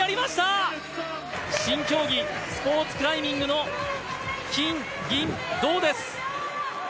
新競技スポーツクライミングの金、銀、銅です！